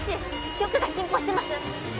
ショックが進行してます